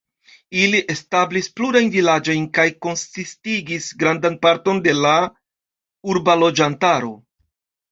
Ili establis plurajn vilaĝojn kaj konsistigis grandan parton de la urba loĝantaro.